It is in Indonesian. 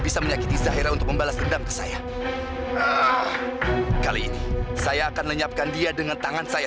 sampai jumpa di video selanjutnya